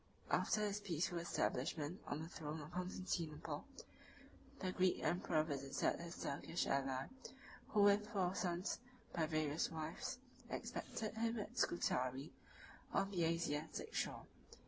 After his peaceful establishment on the throne of Constantinople, the Greek emperor visited his Turkish ally, who with four sons, by various wives, expected him at Scutari, on the Asiatic shore.